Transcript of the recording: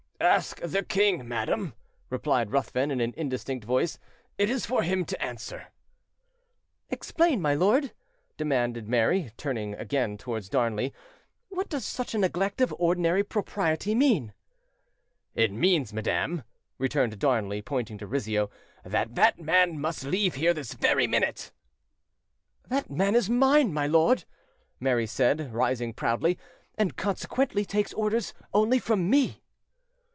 "Ask the king, madam," replied Ruthven in an indistinct voice. "It is for him to answer." "Explain, my lord," Mary demanded, turning again towards Darnley; "what does such a neglect of ordinary propriety mean?" "It means, madam," returned Darnley, pointing to Rizzio, "that that man must leave here this very minute." "That man is mine, my lord," Mary said, rising proudly, "and consequently takes orders only from me."